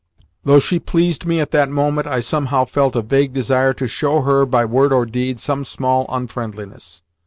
Though she pleased me at that moment, I somehow felt a vague desire to show her, by word or deed, some small unfriendliness.